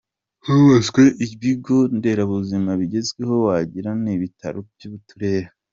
Hubatswe ibigo nderabuzima bigezweho wagira n’ibitaro by’uturere.